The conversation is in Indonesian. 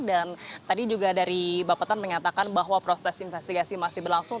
dan tadi juga dari bapak tan mengatakan bahwa proses investigasi masih berlangsung